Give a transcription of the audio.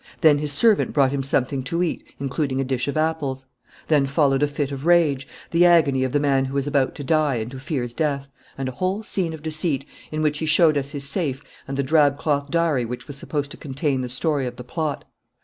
Then his servant brought him something to eat, including a dish of apples. Then followed a fit of rage, the agony of the man who is about to die and who fears death and a whole scene of deceit, in which he showed us his safe and the drab cloth diary which was supposed to contain the story of the plot.